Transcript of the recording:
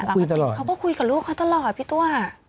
เขาก็คุยกับลูกเขาตลอดพี่ตัว